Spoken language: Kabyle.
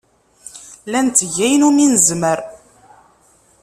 La netteg ayen umi nezmer.